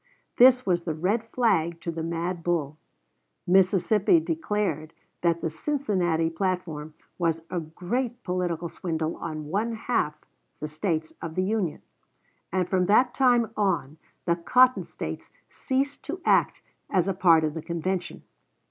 This was the red flag to the mad bull. Mississippi declared that the Cincinnati platform was a great political swindle on one half the States of the Union; and from that time on the Cotton States ceased to act as a part of the convention.